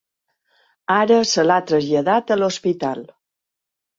Ara se l’ha traslladat a l’hospital.